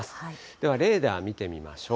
ではレーダー見てみましょう。